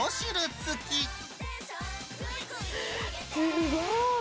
すごい。